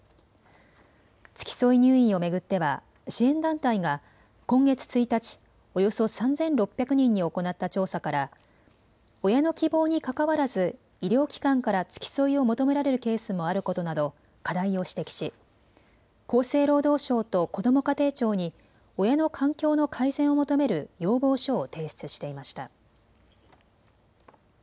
付き添い入院を巡っては支援団体が今月１日、およそ３６００人に行った調査から親の希望にかかわらず医療機関から付き添いを求められるケースもあることなど課題を指摘し厚生労働省とこども家庭庁に親の環境の改善を求める要望書を提出していました。